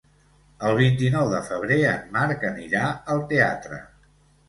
El vint-i-nou de febrer en Marc anirà al teatre.